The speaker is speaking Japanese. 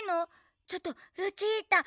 ちょっとルチータ！